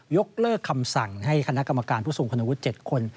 ยกเลิกคำสั่งให้คณะกรรมการผู้ทรงคุณวุฒิ๗คน